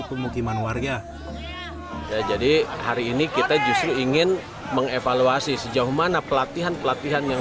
pemukiman warga jadi hari ini kita justru ingin mengevaluasi sejauh mana pelatihan pelatihan yang